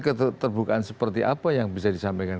keterbukaan seperti apa yang bisa disampaikan